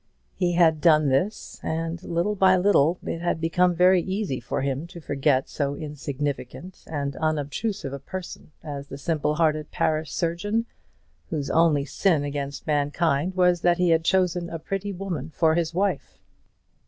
He had done this, and little by little it had become very easy for him to forget so insignificant and unobtrusive a person as the simple hearted parish surgeon, whose only sin against mankind was that he had chosen a pretty woman for his wife.